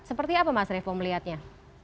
seperti apa mas revo melihatnya